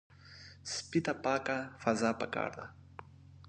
سپي ته پاکه فضا پکار ده.